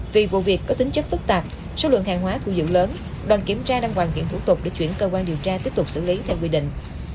vì vụ việc có tính chất phức tạp số lượng hàng hóa thu giữ lớn đoàn kiểm tra đang hoàn thiện thủ tục để chuyển cơ quan điều tra tiếp tục xử lý theo quy định